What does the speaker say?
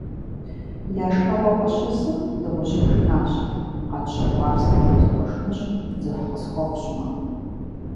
Я шхэгъуэ къыщысым, дыгъужьым жиӀащ: - КъэтщэкӀуар сэ фхуэзгуэшынщ, дзыхь къысхуэфщӀмэ.